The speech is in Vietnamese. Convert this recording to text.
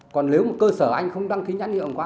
còn nếu mà cơ sở anh không đăng ký nhắn hiệu hàng hóa